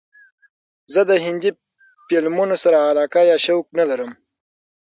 زه د هندې فیلمونو سره علاقه یا شوق لرم.